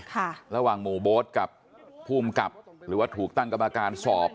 ค่ะระหว่างหมู่มดกับผู้อมกรรมหรือว่าถูกตั้งกรรมาการสอบ